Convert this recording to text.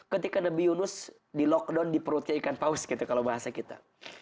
ketika nabi yunus di lockdown di perutnya ikan paus gitu kalau bahasa kita